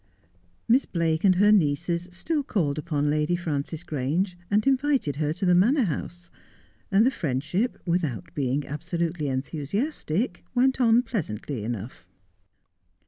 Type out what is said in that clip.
109 Miss Blake and her nieces still called upon Lady Frances Grange, and invited her to the Manor House; and the friend ship, without being absolutely enthusiastic, went on pleasantly enough.